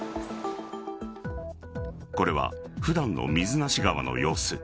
これは普段の水無川の様子。